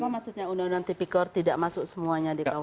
apa maksudnya undang undang tipik korps tidak masuk semuanya di kuhp